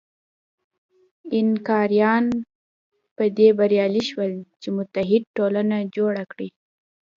اینکاریان په دې بریالي شول چې متحد ټولنه جوړه کړي.